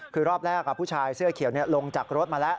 คือรอบแรกผู้ชายเสื้อเขียวลงจากรถมาแล้ว